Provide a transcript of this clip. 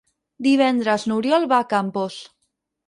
Divendres n'Oriol va a Campos.